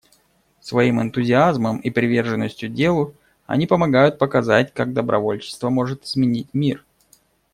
Своим энтузиазмом и приверженностью делу они помогают показать, как добровольчество может изменить мир.